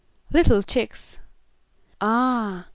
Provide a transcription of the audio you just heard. "Little chicks." "Ah!"